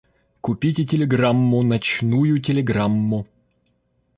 Купите телеграмму — ночную телеграмму!